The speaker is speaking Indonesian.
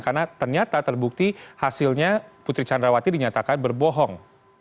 karena ternyata terbukti hasilnya putri candrawati dinyatakan berbohong